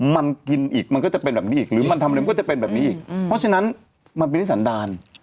มันกินอีกมันก็จะเป็นแบบนี้อีกหรือมันทำอะไรมันก็จะเป็นแบบนี้อีกเพราะฉะนั้นมันเป็นที่สันดาล